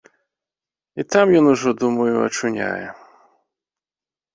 І там ён ужо, думаю, ачуняе!